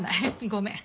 ごめん。